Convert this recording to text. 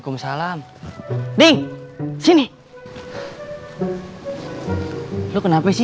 lo kenapa sih gak buka tempat aja